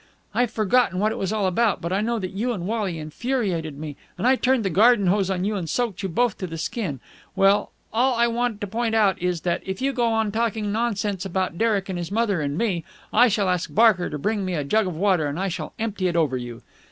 "I've forgotten what it was all about, but I know that you and Wally infuriated me and I turned the garden hose on you and soaked you both to the skin. Well, all I want to point out is that, if you go on talking nonsense about Derek and his mother and me, I shall ask Barker to bring me a jug of water, and I shall empty it over you!